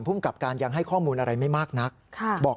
ผู้มันกลับการยังให้ข้อมูลอะไรไม่มากนัก